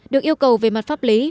được yêu cầu về mặt pháp lý